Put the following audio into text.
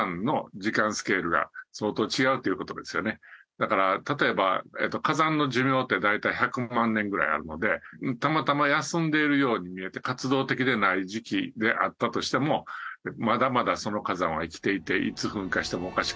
だから例えば火山の寿命って大体１００万年ぐらいあるのでたまたま休んでいるように見えて活動的でない時期であったとしてもまだまだその火山は生きていて。